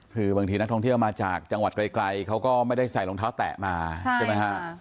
คือบางทีนักท่องเที่ยวมาจากจังหวัดไกลเขาก็ไม่ได้ใส่รองเท้าแตะมาใช่ไหมฮะ